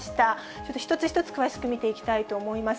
ちょっと一つ一つ詳しく見ていきたいと思います。